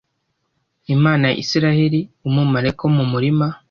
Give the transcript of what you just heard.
imana ya Isiraheli umumarayika wo mu murima